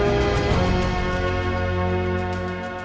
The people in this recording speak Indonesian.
ini adalah kewal pahala penting di dunia health food planet